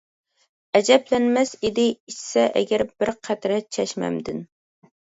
ئەجەبلەنمەس ئىدى ئىچسە ئەگەر بىر قەترە چەشمەمدىن.